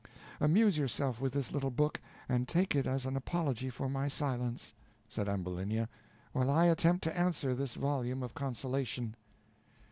Amuse yourself with this little book, and take it as an apology for my silence," said Ambulinia, "while I attempt to answer this volume of consolation."